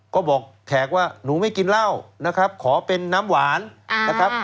ก็บอกแขกว่าหนูไม่กินเหล้านะครับขอเป็นน้ำหวานนะครับ